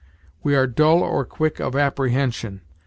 We are dull or quick of apprehension.